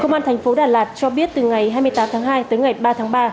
công an tp đà lạt cho biết từ ngày hai mươi tám tháng hai tới ngày ba tháng ba